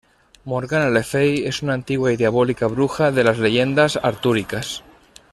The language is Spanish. Morgana le Fey es una antigua y diabólica bruja de las leyendas artúricas.